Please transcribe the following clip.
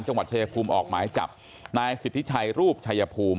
จังหวัดชายภูมิออกหมายจับนายสิทธิชัยรูปชายภูมิ